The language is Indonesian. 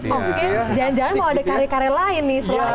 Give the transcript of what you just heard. oh mungkin jangan jangan mau ada karya karya lain nih selain